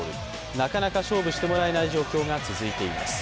なかなか勝負してもらえない状況が続いています。